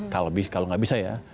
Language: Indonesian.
kalau nggak bisa ya